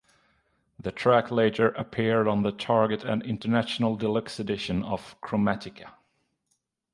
The track later appeared on the Target and international deluxe edition of "Chromatica".